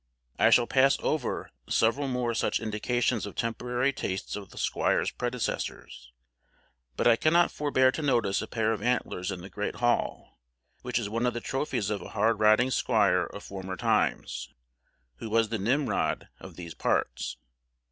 I shall pass over several more such indications of temporary tastes of the squire's predecessors; but I cannot forbear to notice a pair of antlers in the great hall, which is one of the trophies of a hard riding squire of former times, who was the Nimrod of these parts.